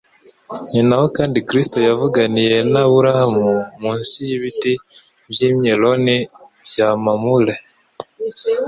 Ni naho kandi Kristo yavuganiye n'Aburahamu munsi y'ibiti by'Imyeloni bya Mamure;